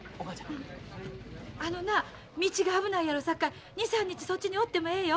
あのな道が危ないやろさかい２３日そっちにおってもええよ。